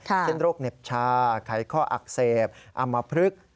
เช่นโรคเหน็บชาไขข้ออักเสบอำมพลึก